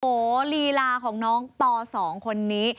โอ้โหลีลาของน้องป๒คนนี้